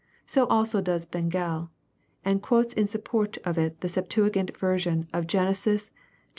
So also does Bengel, and quotes in support of it the Septuagint versioa of Genesis xxxii.